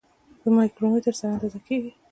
په مایکرومتر سره اندازه کیږي.